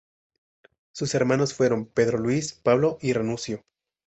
Sus hermanos fueron Pedro Luis, Pablo y Ranuccio.